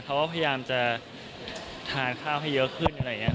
เขาก็พยายามจะทานข้าวให้เยอะขึ้น